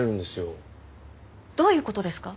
どういう事ですか？